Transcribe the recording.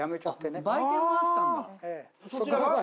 あっ売店があったんだ。